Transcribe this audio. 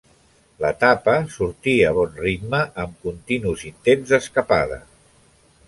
L'etapa sortí a bon ritme amb continus intents d'escapada.